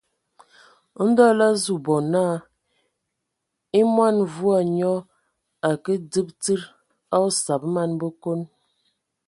Ndɔ lə azu bɔ naa e mɔn mvua nyɔ a ke dzib tsid a osab man Bəkon.